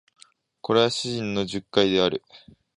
これは主人の述懐である